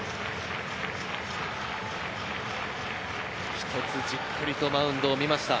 一つじっくりとマウンドを見ました。